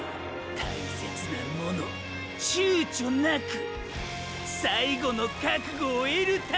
大切なもの躊躇なく最後の覚悟を得るために！！